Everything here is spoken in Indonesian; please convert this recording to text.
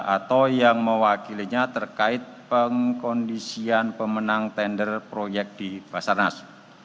atau yang mewakilinya terkait pengkondisian pemenang tender proyek di basarnas